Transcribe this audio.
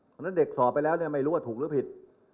เพราะฉะนั้นเด็กสอบไปแล้วเนี่ยไม่รู้ว่าถูกหรือผิด